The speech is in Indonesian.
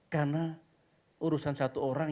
karena urusan satu orang